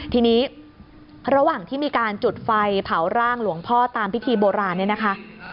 ทีนี้ระหว่างที่มีการจุดไฟเผาร่างหลวงพ่อตามพิธีโบราณเนี่ยนะคะ